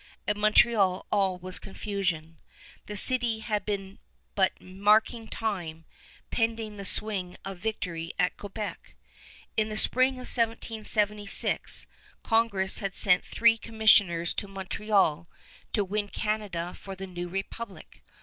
At Montreal all was confusion. The city had been but marking time, pending the swing of victory at Quebec. In the spring of 1776 Congress had sent three commissioners to Montreal to win Canada for the new republic.